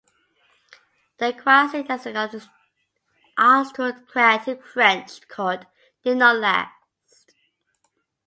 The quasi-aristocratic French court did not last.